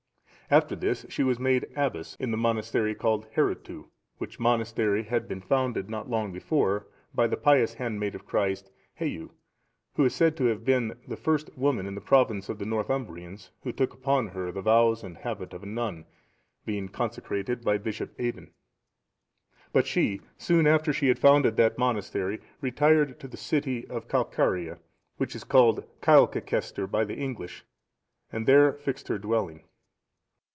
After this she was made abbess in the monastery called Heruteu,(689) which monastery had been founded, not long before, by the pious handmaid of Christ, Heiu,(690) who is said to have been the first woman in the province of the Northumbrians who took upon her the vows and habit of a nun, being consecrated by Bishop Aidan; but she, soon after she had founded that monastery, retired to the city of Calcaria,(691) which is called Kaelcacaestir by the English, and there fixed her dwelling.